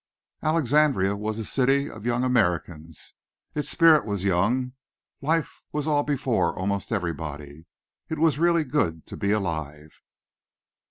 Alexandria was a city of young Americans. Its spirit was young. Life was all before almost everybody. It was really good to be alive.